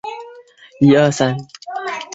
大字是以后成为党总裁的人物